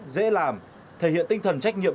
dễ làm thể hiện tinh thần trách nhiệm